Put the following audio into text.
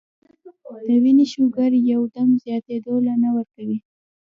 نو د وينې شوګر يو دم زياتېدو له نۀ ورکوي -